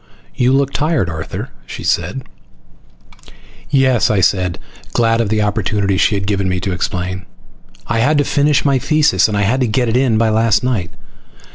"You look tired, Arthur," she said. "Yes," I said, glad of the opportunity she had given me to explain. "I had to finish my thesis and get it in by last night.